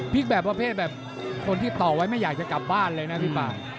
พลิกแบบว่าแภนคณะแบบคนที่ต่อไว้ไม่อยากจะกลับบ้านเลยนะพี่ป่า